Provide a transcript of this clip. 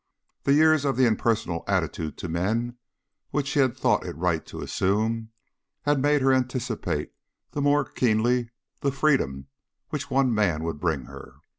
The years of the impersonal attitude to men which she had thought it right to assume had made her anticipate the more keenly the freedom which one man would bring her.